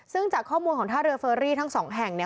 ซึ่งจากข้อมูลของท่าเรือเฟอรี่ทั้งสองแห่งเนี่ย